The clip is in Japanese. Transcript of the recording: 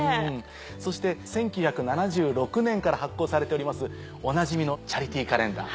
そして１９７６年から発行されておりますおなじみのチャリティーカレンダー。